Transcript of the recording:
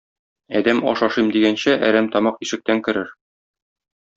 Адәм аш ашыйм дигәнче, әрәм тамак ишектән керер.